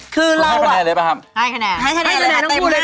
คือเราอะให้คะแนนให้คะแนนทั้งคู่เลยค่ะ๕๕